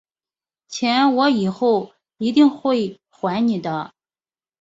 钱我以后一定会还你的